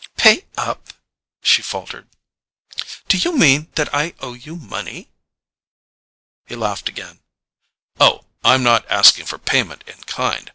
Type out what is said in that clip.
"Pay up?" she faltered. "Do you mean that I owe you money?" He laughed again. "Oh, I'm not asking for payment in kind.